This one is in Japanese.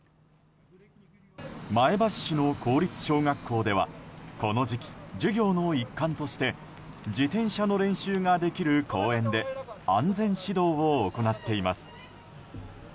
前橋市の公立小学校ではこの時期、授業の一環として自転車の練習ができる公園で安全指導を行っています。